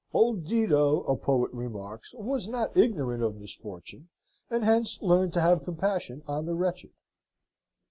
Old Dido, a poet remarks, was not ignorant of misfortune, and hence learned to have compassion on the wretched.